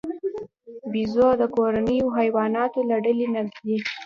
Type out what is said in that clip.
بیزو د کورنیو حیواناتو له ډلې نه دی.